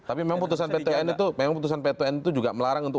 tapi memang putusan pt un itu juga melarang untuk